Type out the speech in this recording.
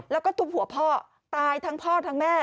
แล้วก็ทุบหัวพ่อตายทั้งพ่อทั้งแม่